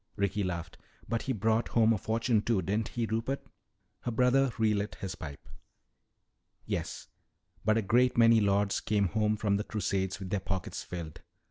Ricky laughed. "But he brought home a fortune, too, didn't he, Rupert?" Her brother relit his pipe. "Yes, but a great many lords came home from the Crusades with their pockets filled.